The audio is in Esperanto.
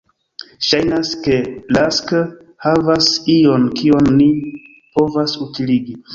Ŝajnas ke Rask havas ion kion ni povas utiligi.